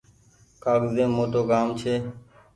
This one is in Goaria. ڪآگز يم موٽو ڪآم ڇي۔